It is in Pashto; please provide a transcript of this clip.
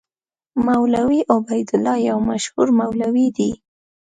مولوي عبیدالله یو مشهور مولوي دی.